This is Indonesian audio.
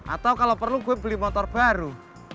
atau kalau perlu gue beli motor baru